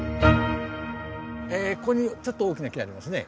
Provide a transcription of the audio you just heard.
ここにちょっと大きな木ありますね。